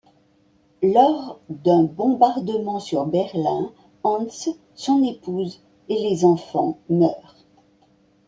Lors d'un bombardement sur Berlin, Hans, son épouse et les enfants meurent.